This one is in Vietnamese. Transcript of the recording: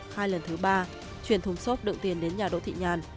hai lần thứ ba truyền thùng xốp đựng tiền đến nhà đỗ thị nhàn